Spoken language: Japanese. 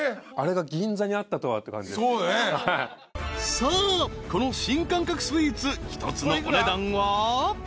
［さあこの新感覚スイーツ１つのお値段は］